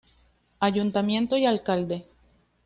Ayuntamiento y alcalde